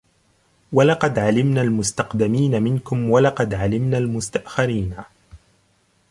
وَلَقَدْ عَلِمْنَا الْمُسْتَقْدِمِينَ مِنْكُمْ وَلَقَدْ عَلِمْنَا الْمُسْتَأْخِرِينَ